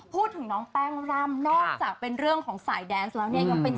พูดถึงน้องแป้งร่ำนอกจากเป็นเรื่องของสายแดนส์แล้วเนี่ยยังเป็น